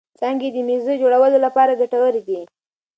څانګې یې د مېزو جوړولو لپاره ګټورې دي.